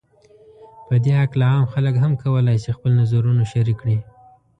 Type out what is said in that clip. په دې هکله عام خلک هم کولای شي خپل نظرونو شریک کړي